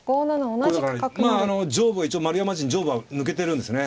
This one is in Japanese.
これだからまああの上部は一応丸山陣上部は抜けてるんですね。